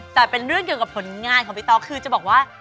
แต่เป็นเรื่องเกี่ยวกับผลงานของพี่ต๊อกคือจะบอกว่า